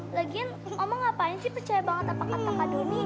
lagian oma ngapain sih percaya banget sama kak doni